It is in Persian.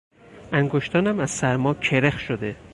انگشتانم از سرما کرخ شده.